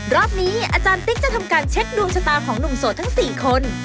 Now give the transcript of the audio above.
อยากรู้เรื่องของใครแพร่